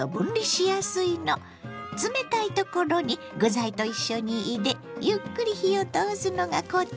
冷たいところに具材と一緒に入れゆっくり火を通すのがコツ。